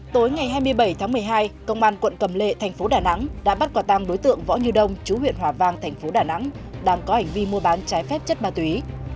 tối ngày hai mươi bảy tháng một mươi hai công an quận cầm lệ thành phố đà nẵng đã bắt quả tăng đối tượng võ như đông chú huyện hòa vang thành phố đà nẵng đang có hành vi mua bán trái phép chất ma túy